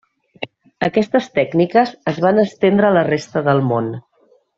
Aquestes tècniques es van estendre a la resta del món.